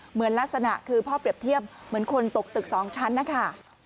เหมือนลักษณะคือพ่อเปรียบเทียบเหมือนคนตกตึก๒ชั้นนะคะ